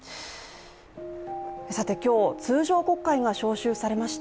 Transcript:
今日、通常国会が召集されました。